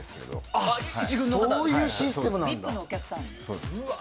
そういうシステムなんだ。